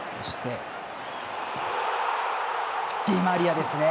ディマリアですね。